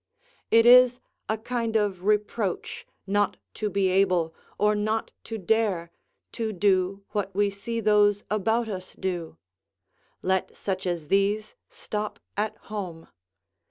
It is a kind of reproach, not to be able, or not to dare, to do what we see those about us do; let such as these stop at home.